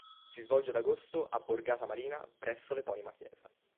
Si svolge ad agosto a Borgata Marina presso l'eponima chiesa.